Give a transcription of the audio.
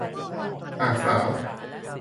หากสาว